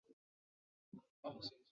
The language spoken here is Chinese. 十几年来的研究成果